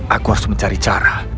aku harus mencari cara